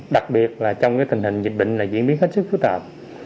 đặc biệt là trong tình hình dịch bệnh diễn biến hết sức phức tạp